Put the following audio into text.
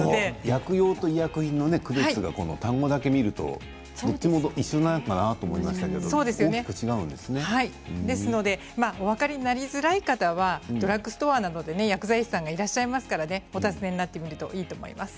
薬用と医薬品の区別が単語だけ見るとどっちも一緒なのかなと思いましたけどお分かりになりづらい方はドラッグストアなどで薬剤師さんがいらっしゃいますから、お尋ねになってみるといいと思います。